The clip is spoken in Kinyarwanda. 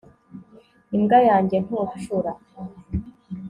imbwa yanjye ntucura